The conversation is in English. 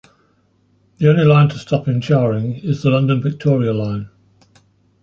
The only line to stop in Charing is the London Victoria line.